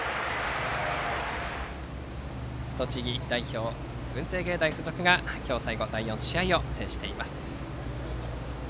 栃木代表、文星芸大付属が今日最後の第４試合を制しています。